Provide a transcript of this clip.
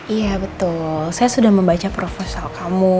iya betul saya sudah membaca proposal kamu